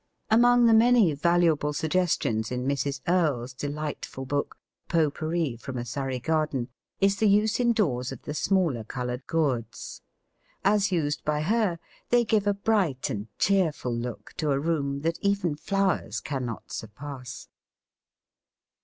Among the many valuable suggestions in Mrs. Earle's delightful book, "Pot pourri from a Surrey Garden," is the use indoors of the smaller coloured gourds. As used by her they give a bright and cheerful look to a room that even flowers can not surpass.